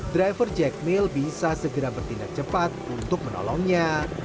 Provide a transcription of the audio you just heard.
driver jekmil bisa segera bertindak cepat untuk menolongnya